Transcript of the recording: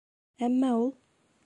Әммә ул: